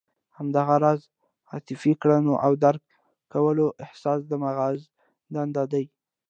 همدغه راز عاطفي کړنو او درک کولو احساس د مغز دندې دي.